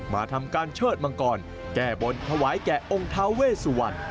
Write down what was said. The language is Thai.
มาทำการเชิดมังกรแก้บนถวายแก่องค์ทาเวสวรรณ